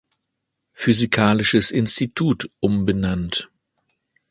Physikalisches Institut" umbenannt.